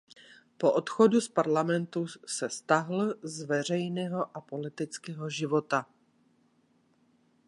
Po odchodu z parlamentu se stáhl z veřejného a politického života.